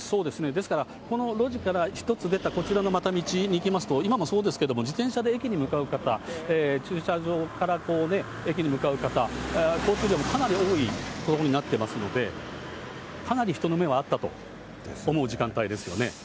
ですから、この路地から１つ出たこちらのまた道に行きますと、今もそうですけども、自転車で駅に向かう方、駐車場から駅に向かう方、交通量もかなり多い道路になってますので、かなり人の目はあったと思う時間帯ですよね。